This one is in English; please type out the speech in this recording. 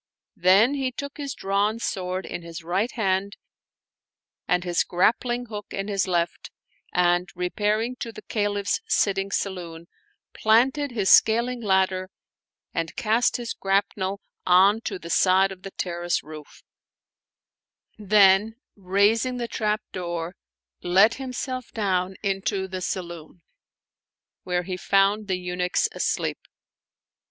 Then he took his drawn sword in his right hand and his grappling hook in his left and, repairing to the Caliph's sitting saloon, planted his scaling ladder and cast his grap nel on to the side of the terrace roof; then, raising the trapdoor, let himself down into the saloon, where he found the eunuchs asleep.